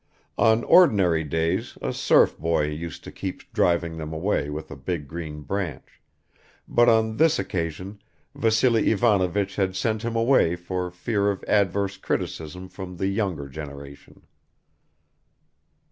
On ordinary days a serf boy used to keep driving them away with a big green branch, but on this occasion Vassily Ivanovich had sent him away for fear of adverse criticism from the younger generation.